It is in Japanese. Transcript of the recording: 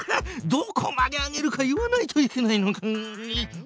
どこまで上げるか言わないといけないのか！